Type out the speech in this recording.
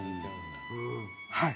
はい。